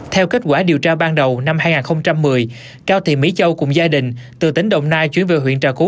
theo kết quả điều tra ban đầu năm hai nghìn một mươi cao thị mỹ châu cùng gia đình từ tỉnh đồng nai chuyển về huyện trà cú